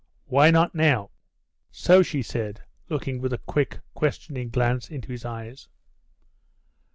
"Why not now?" "So," she said, looking with a quick, questioning glance into his eyes.